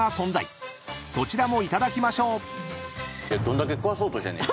［そちらもいただきましょう］